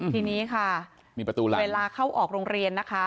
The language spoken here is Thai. ทีนี้ค่ะเวลาเข้าออกโรงเรียนนะคะ